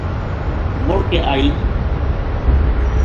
مڑ کے آئی